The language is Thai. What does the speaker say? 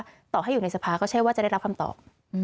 ต่อให้อยู่ในสภาก็ใช่ว่าจะได้รับคำตอบ